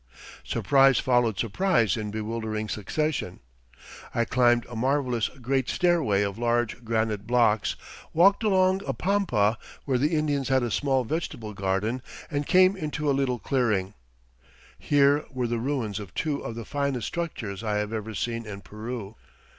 Surprise followed surprise in bewildering succession. I climbed a marvelous great stairway of large granite blocks, walked along a pampa where the Indians had a small vegetable garden, and came into a little clearing. Here were the ruins of two of the finest structures I have ever seen in Peru.